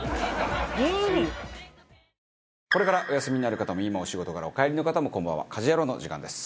これからお休みになる方も今お仕事からお帰りの方もこんばんは『家事ヤロウ！！！』の時間です。